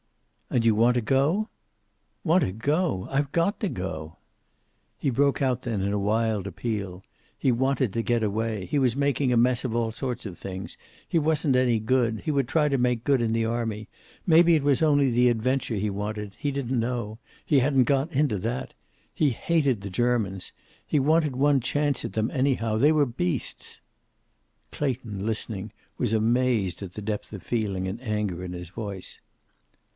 "And you want to go?" "Want to go! I've got to go." He broke out then into a wild appeal. He wanted to get away. He was making a mess of all sorts of things. He wasn't any good. He would try to make good in the army. Maybe it was only the adventure he wanted he didn't know. He hadn't gone into that. He hated the Germans. He wanted one chance at them, anyhow. They were beasts. Clayton, listening, was amazed at the depth of feeling and anger in his voice.